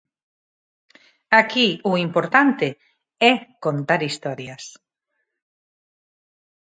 Aquí o importante é contar historias.